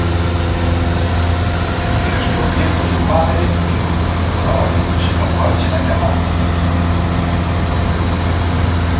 Y respondiendo su madre, dijo: No; sino Juan será llamado.